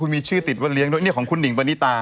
มีชื่อติดว่าเลี้ยงด้วยเนี่ยของคุณหิงปณิตา